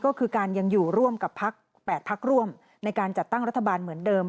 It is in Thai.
ก็คือการยังอยู่ร่วมกับพัก๘พักร่วมในการจัดตั้งรัฐบาลเหมือนเดิม